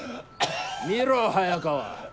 見ろ早川。